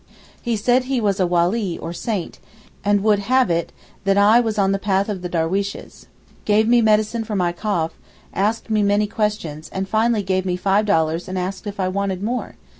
He said he was a Walee or saint, and would have it that I was in the path of the darweeshes; gave me medicine for my cough; asked me many questions, and finally gave me five dollars and asked if I wanted more?